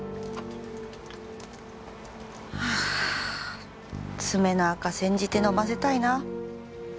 ハァ爪の垢煎じて飲ませたいな。